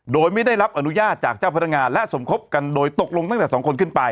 โดยไม่ได้รับอนุญาตจากเจ้าพนักงานและสมคบกันโดยตกลงตั้งแต่๒คนขึ้นไป